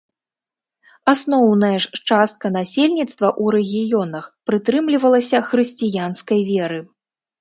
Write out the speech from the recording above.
Асноўная ж частка насельніцтва ў рэгіёнах прытрымлівалася хрысціянскай веры.